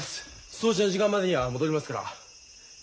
掃除の時間までには戻りますから。